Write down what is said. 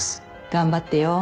頑張ってよ。